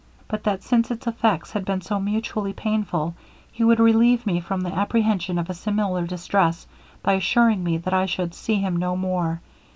But that since its effects had been so mutually painful, he would relieve me from the apprehension of a similar distress, by assuring me, that I should see him no more.